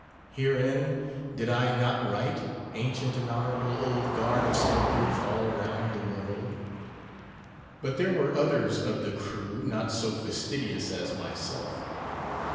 Herein did I not right, Ancient and Honourable Old Guard of Smokers all round the world? But there were others of the crew not so fastidious as myself.